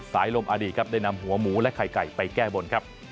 สายโลมอดีตได้นำหัวหมูและไข่ไก่ไปแก้บน